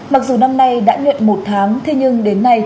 mặc dù năm nay đã nguyện một tháng